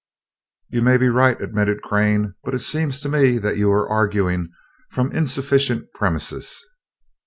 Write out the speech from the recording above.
"You may be right," admitted Crane, "but it seems to me that you are arguing from insufficient premises."